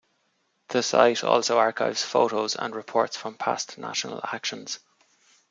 The site also archives photos and reports from past national actions.